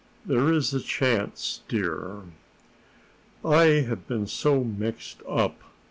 There's a chance, dear." "I have been so mixed up.